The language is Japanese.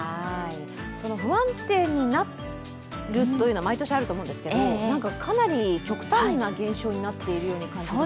その不安定になるというのは毎年あると思うんですけどかなり極端な現象になっているように感じます。